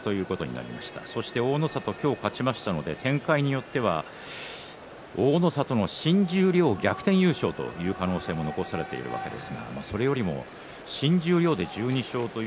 大の里は今日勝ちましたので展開によっては大の里の新十両逆転優勝という可能性も残しています。